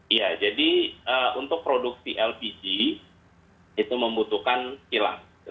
iya jadi untuk produksi lpg itu membutuhkan kilang